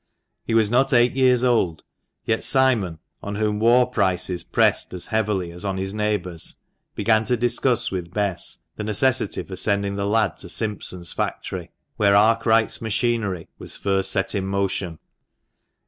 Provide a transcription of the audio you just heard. He was not eight years old, yet Simon, on whom war prices pressed as heavily as on his neigh bours, began to discuss with Bess the necessity for sending the lad to Simpson's factory (where Arkwright's machinery was first set in motion).